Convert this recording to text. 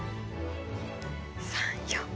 ３４。